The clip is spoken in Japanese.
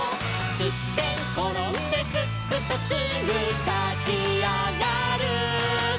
「すってんころんですっくとすぐたちあがる」